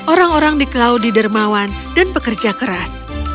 orang orang di klaudi dermawan dan pekerja keras